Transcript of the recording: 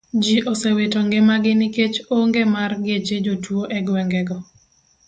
Ji osewito ngimagi nikech onge mar geche jotuo go e gwenge.